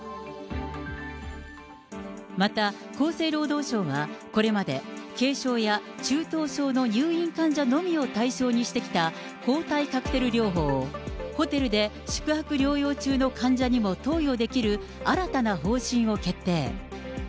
また厚生労働省はこれまで、軽症や中等症の入院患者のみを対象にしてきた抗体カクテル療法を、ホテルで宿泊療養中の患者にも投与できる、新たな方針を決定。